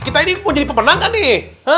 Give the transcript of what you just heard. kita ini mau jadi pemenang kan nih